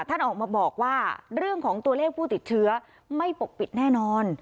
ท่านออกมาบอกว่าเรื่องของตัวเลขผู้ติดเชื้อไม่ปกปิดแน่นอน